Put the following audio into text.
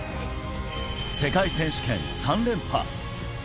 世界選手権３連覇。